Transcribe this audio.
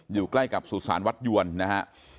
อยู่ใกล้กับสุสานวัดยวนนะฮะ